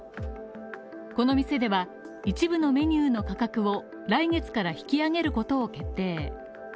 この店では一部のメニューの価格を、来月から引き上げることを決定。